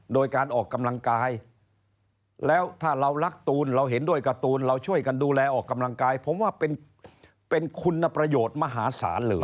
โดยการออกกำลังกายแล้วถ้าเรารักตูนเราเห็นด้วยการ์ตูนเราช่วยกันดูแลออกกำลังกายผมว่าเป็นคุณประโยชน์มหาศาลเลย